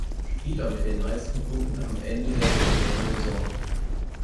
Spieler mit den meisten Punkten am Ende der regulären Saison.